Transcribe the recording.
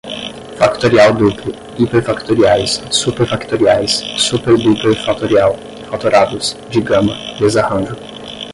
factorial duplo, hiperfactoriais, superfactoriais, superduperfatorial, fatorados, digama, desarranjo